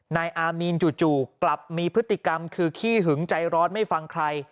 นายอามีนจู่กลับมีพฤติกรรมคือขี้หึงใจร้อนไม่ฟังใคร